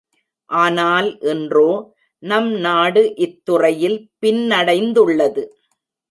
ஆனால் இன்றாே, நம் நாடு இத்துறையில் பின்னடைந்துள்ளது.